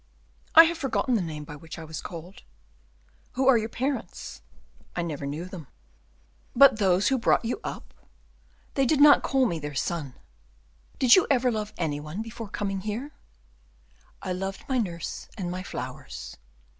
"I have forgotten the name by which I was called." "Who are your parents?" "I never knew them." "But those who brought you up?" "They did not call me their son." "Did you ever love any one before coming here?" "I loved my nurse, and my flowers."